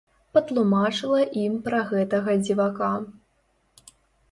Патлумачыла ім пра гэтага дзівака.